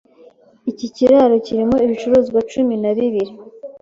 Iki kiraro kirimo ibicuruzwa cumi na bibiri.